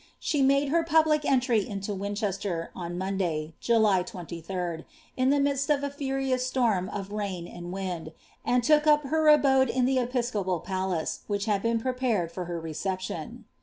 She niade her public entry into Winchester on Moodir,' July 2dd, in the midst of a furious storm of rain and wind, and took ap her abode in the episcopal palace, which had been prepared for her re ception.